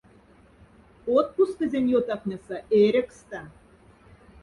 Отпускозень ётафнеса эрекста.